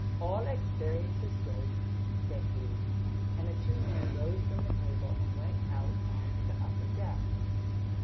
"All experience is good," said he, and the two men rose from the table and went out on to the upper deck.